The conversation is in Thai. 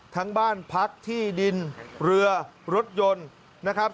ทั้งบ้านพักที่ดินเรือรถยนต์นะครับ